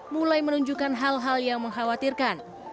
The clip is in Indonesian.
mulai menunjukkan hal hal yang mengkhawatirkan